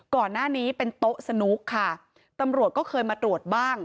ก่อนหน้านี้เป็นโต๊ะสนุกค่ะตำรวจก็เคยมาตรวจบ้าง